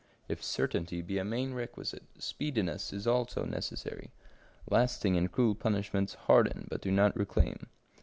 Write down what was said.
If certainty be a main requisite, speedi ness is also necessary ; lasting and cruel punishments harden but do not reclaim.